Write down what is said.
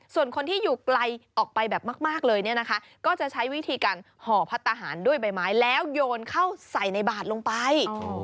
ส่วนคนที่อยู่ไกลออกไปแบบมากเลยเนี่ยนะคะก็จะใช้วิธีการห่อพัฒนาหารด้วยใบไม้แล้วโยนเข้าใส่ในบาดลงไป